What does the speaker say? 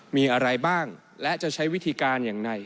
มีอะไรบ้างและจะใช้วิธีการอย่างไร